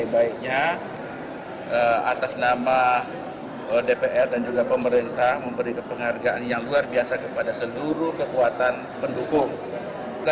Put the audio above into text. baiknya atas nama dpr dan juga pemerintah memberi penghargaan yang luar biasa kepada seluruh kekuatan pendukung